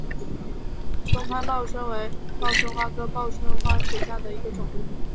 松潘报春为报春花科报春花属下的一个种。